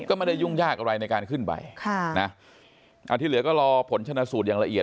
ก็ไม่ได้ยุ่งยากอะไรในการขึ้นไปค่ะนะอ่าที่เหลือก็รอผลชนะสูตรอย่างละเอียด